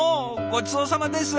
ごちそうさまです。